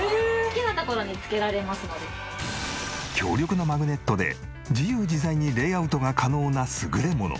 強力なマグネットで自由自在にレイアウトが可能な優れもの。